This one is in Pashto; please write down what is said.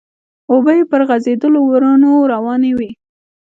اوبه يې پر غزيدلو ورنو روانې وې.